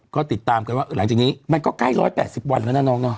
ก็ติดตามกันว่าหลังจากนี้มันก็ใกล้๑๘๐วันแล้วนะน้องเนาะ